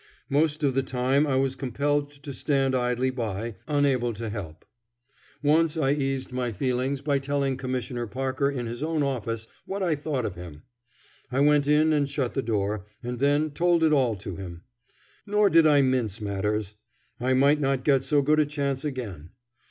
Most of the time I was compelled to stand idly by, unable to help. Once I eased my feelings by telling Commissioner Parker in his own office what I thought of him. I went in and shut the door, and then told it all to him. Nor did I mince matters; I might not get so good a chance again.